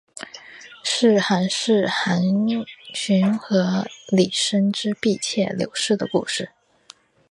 是寒士韩翃与李生之婢妾柳氏的故事。